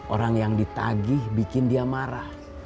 orang yang ditagih bikin dia marah